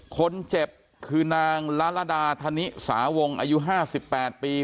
คนเจ็บคือนางละลดาธนิสาวงอายุ๕๘ปี